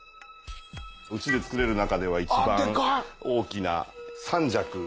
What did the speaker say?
うちで作れる中では一番大きな。